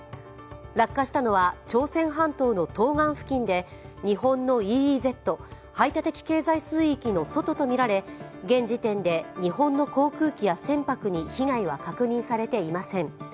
落下したのは朝鮮半島の東岸付近で日本のＥＥＺ＝排他的経済水域の外と見られ、現時点で日本の降雨空気や船舶に被害は確認されていません。